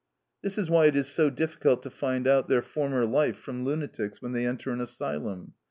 This is why it is so difficult to find out their former life from lunatics when they enter an asylum.